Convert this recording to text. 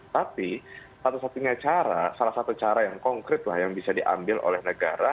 tapi salah satu cara yang konkret yang bisa diambil oleh negara